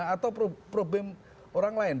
atau problem orang lain